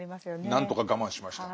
何とか我慢しました。